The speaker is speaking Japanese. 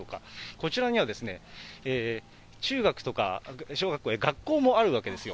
こちらには中学とか小学校、学校もあるわけですよ。